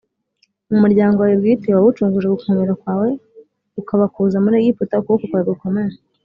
Umuryango wawe bwite wawucunguje gukomera kwawe ukabakuza muri Egiputa ukuboko kwawe gukomeye